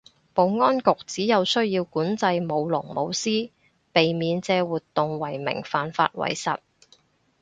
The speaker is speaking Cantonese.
保安局指有需要管制舞龍舞獅，避免借活動為名犯法為實